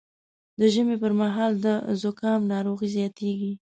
د ژمي پر مهال د زکام ناروغي زیاتېږي